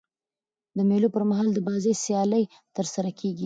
د مېلو پر مهال د بازۍ سیالۍ ترسره کیږي.